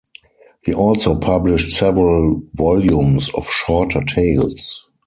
He also published several volumes of shorter tales.